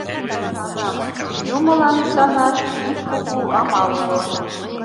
Манам: юмылан ӱшанаш ик кугу амал уло.